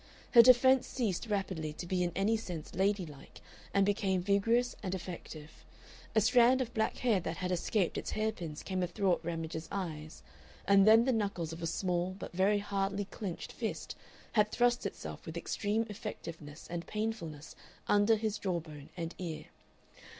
Her defence ceased rapidly to be in any sense ladylike, and became vigorous and effective; a strand of black hair that had escaped its hairpins came athwart Ramage's eyes, and then the knuckles of a small but very hardly clinched fist had thrust itself with extreme effectiveness and painfulness under his jawbone and ear.